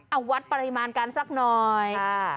เอาวัดปริมาณกันสักหน่อย